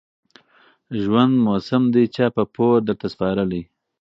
ژوند موسم دى چا په پور درته سپارلى